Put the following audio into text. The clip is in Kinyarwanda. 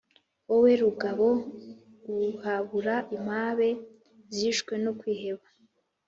wowe rugabo uhabura impabe zishwe no kwiheba.